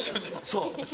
そう。